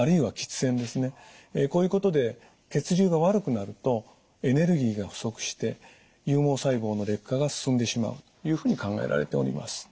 こういうことで血流が悪くなるとエネルギーが不足して有毛細胞の劣化が進んでしまうというふうに考えられております。